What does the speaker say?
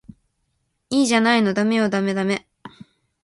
いいじゃないのダメよダメダメ